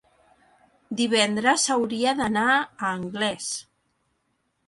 divendres hauria d'anar a Anglès.